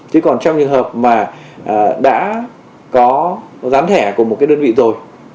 chứ còn trong trường hợp mà đã có gián thẻ của một cái đơn vị rồi